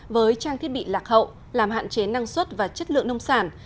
với trang thiết bị lạc hậu làm hạn chế năng suất và chất lượng nông sản